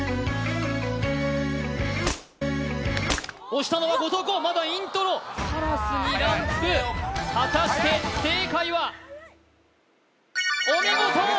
押したのは後藤弘まだイントロカラスにランプ果たして正解はお見事！